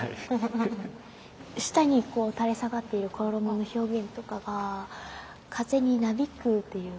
下に垂れ下がっている衣の表現とかが風になびくっていうか。